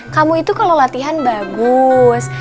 kamu itu kalau latihan bagus